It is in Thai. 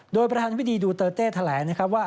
โดยประธานทฤษฎีดูเตอร์เต้แถลงว่า